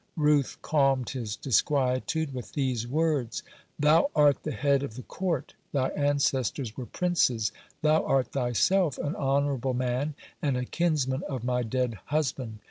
Ruth calmed his disquietude (58) with these words: "Thou art the head of the court, thy ancestors were princes, thou art thyself an honorable man, and a kinsman of my dead husband.